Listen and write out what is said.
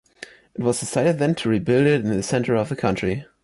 It was decided then to rebuild it in the center of the country.